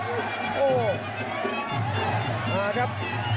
โอ้โหมาครับ